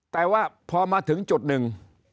แต่ว่าพอมาถึงจุดหนึ่ง